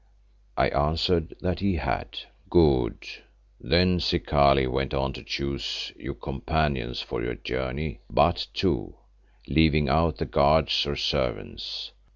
I answered that he had. "Good! Then Zikali went on to choose you companions for your journey, but two, leaving out the guards or servants.